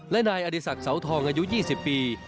และนายอดีศักดิ์เสาทองอายุ๒๐ปี